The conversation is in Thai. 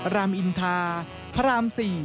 รามอินทาพระราม๔